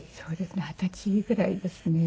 二十歳ぐらいですね。